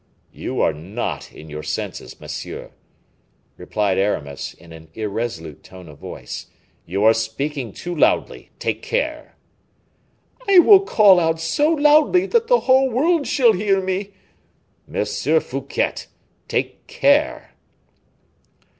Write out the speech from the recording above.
"You are not in your senses, monsieur," replied Aramis, in an irresolute tone of voice; "you are speaking too loudly; take care!" "I will call out so loudly, that the whole world shall hear me." "Monsieur Fouquet, take care!"